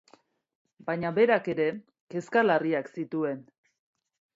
Baina berak ere kezka larriak zituen.